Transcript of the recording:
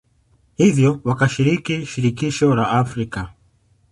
hivyo wakashiriki Shirikisho la Afrika